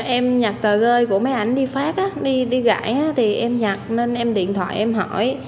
em nhặt tờ rơi của máy ảnh đi phát đi gãi em nhặt nên em điện thoại em hỏi